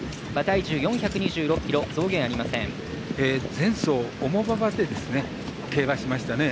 前走、重馬場で競馬しましたね。